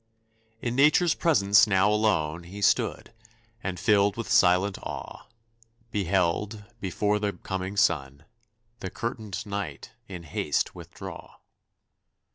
In Nature's presence now alone He stood, and filled with silent awe, Beheld, before the coming sun, The curtained Night in haste withdraw.